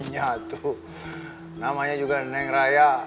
ya tuh namanya juga neng raya